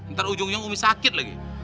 ntar ujung ujung umi sakit lagi